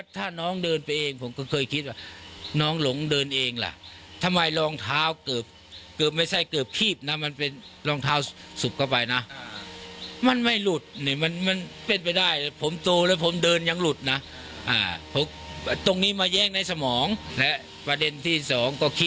ถ้าคนอุ้มเด็กไม่ดิ้นหรือไง